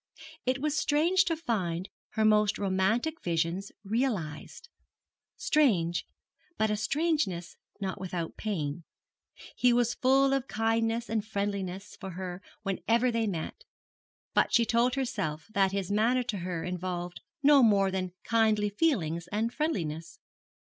It was strange to find her most romantic visions realised; strange, but a strangeness not without pain. He was full of kindness and friendliness for her whenever they met; but she told herself that his manner to her involved no more than kindly feeling and friendliness.